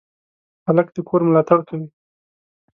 هلک د کور ملاتړ کوي.